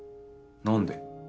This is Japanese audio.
何で？